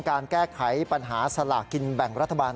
การแก้ไขปัญหาสลากกินแบ่งรัฐบาล